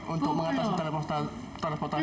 untuk mengatasi transportasi